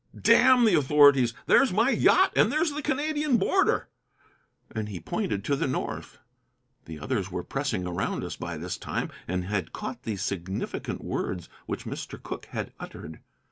"Damn the authorities! There's my yacht, and there's the Canadian border." And he pointed to the north. The others were pressing around us by this time, and had caught the significant words which Mr. Cooke had uttered.